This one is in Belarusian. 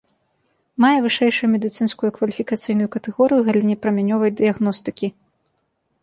Мае вышэйшую медыцынскую кваліфікацыйную катэгорыю ў галіне прамянёвай дыягностыкі.